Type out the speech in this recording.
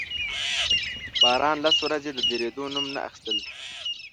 باران لس ورځې د درېدو نوم نه اخيستل.